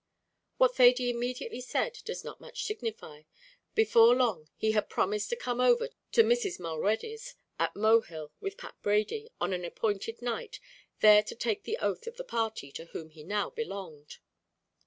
What Thady immediately said does not much signify; before long he had promised to come over to Mrs. Mulready's at Mohill with Pat Brady, on an appointed night, there to take the oath of the party to whom he now belonged.